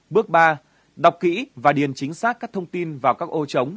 bước ba đọc kỹ và điền chính xác các thông tin vào các ô chống